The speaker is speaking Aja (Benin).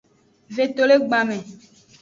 Vetolegbanme.